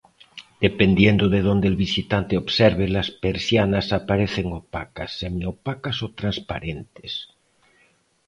Dependiendo de donde el visitante observe, las persianas aparecen opacas, semi-opacas o transparentes.